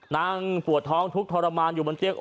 นั่งปวดท้องทุกข์ทรมานอยู่บนเตียง